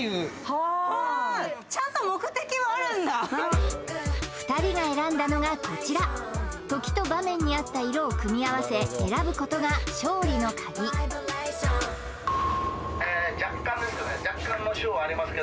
はあちゃんと目的はあるんだ２人が選んだのがこちら時と場面に合った色を組み合わせ選ぶことが勝利の鍵若干ですよね